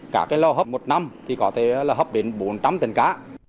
cả cái lò hấp một năm thì có thể là hấp đến bốn trăm linh tấn cá